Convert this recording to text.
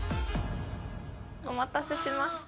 お待たせしました。